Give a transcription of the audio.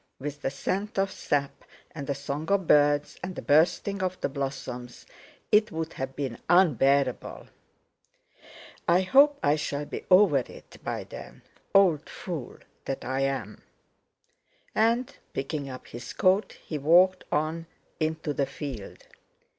With the scent of sap, and the song of birds, and the bursting of the blossoms, it would have been unbearable! "I hope I shall be over it by then, old fool that I am!" and picking up his coat, he walked on into the field.